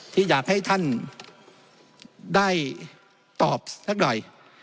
ที่อยากให้ท่านได้ตอบสักหน่อย